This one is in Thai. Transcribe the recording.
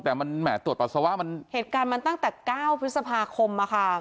แต่แหม่ตรวจปัสสาวะเหตุการณ์มันตั้งแต่๙พฤษภาคมน์เหรอคะ